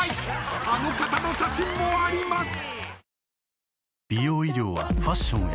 ［あの方の写真もあります］